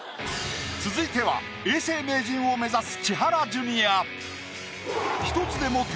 続いては永世名人を目指す千原ジュニア。